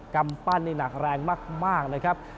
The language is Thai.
กำปั้นนี่หนักแรงมากนะครับ